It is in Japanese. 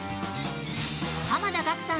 濱田岳さん